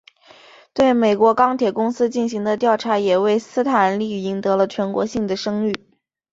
对美国钢铁公司进行的调查也为斯坦利赢得了全国性的声誉。